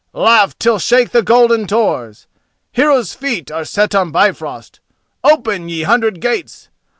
"Laugh till shake the golden doors; Heroes' feet are set on Bifrost, Open, ye hundred gates!